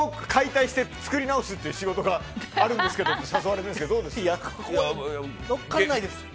車を解体して作り直す仕事があるんですけどって誘われてるんですけどどうですか？